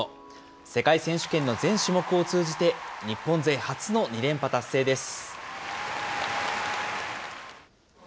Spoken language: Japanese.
世界選手権の全種目を通じて、日本勢初の２連覇達成です。